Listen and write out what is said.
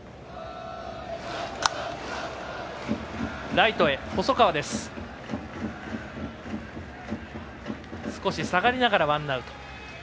ライト、細川少し下がりながら、ワンアウト。